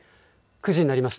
９時になりました。